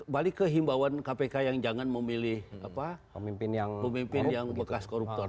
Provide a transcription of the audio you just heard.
balik ke himbauan kpk yang jangan memilih pemimpin yang bekas koruptor